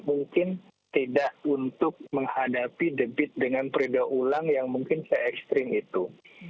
mungkin tidak untuk menghadapi debit dengan periode ulang yang mungkin se ekstrim itu